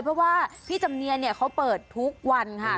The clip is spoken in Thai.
เพราะว่าพี่จำเนียนเนี่ยเขาเปิดทุกวันค่ะ